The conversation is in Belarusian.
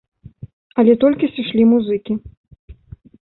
Але толькі сышлі музыкі.